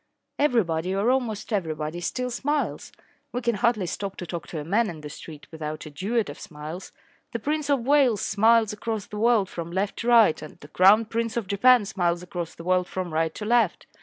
Everybody or almost everybody still smiles. We can hardly stop to talk to a man in the street without a duet of smiles. The Prince of Wales smiles across the world from left to right, and the Crown Prince of Japan smiles across the world from right to left.